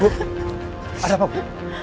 bu ada apa bu